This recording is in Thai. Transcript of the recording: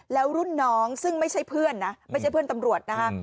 แล้วรุ่นน้องซึ่งไม่ใช่เพื่อนนะไม่ใช่เพื่อนตำรวจนะคะ